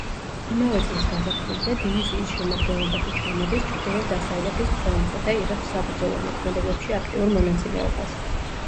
იმავე წლის გაზაფხულზე, დივიზიის შემადგენლობაში ჩამოდის ჩრდილო-დასავლეთის ფრონტზე და იღებს საბრძოლო მოქმედებებში აქტიურ მონაწილეობას.